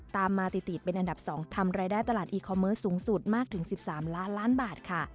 ตามมาติดเป็นอันดับ๒ทำรายได้ตลาดอีคอมเมิร์สสูงสุดมากถึง๑๓ล้านล้านบาทค่ะ